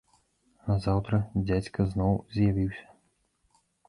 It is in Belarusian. Назаўтра дзядзька зноў з'явіўся.